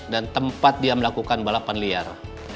dan tempat dia melakukan balapan liar